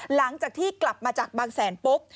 หลังจากที่กลับมาจากบางแสนปุ๊บ